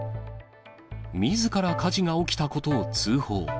みずから火事が起きたことを通報。